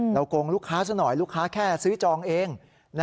โกงลูกค้าซะหน่อยลูกค้าแค่ซื้อจองเอง